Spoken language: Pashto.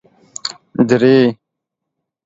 درې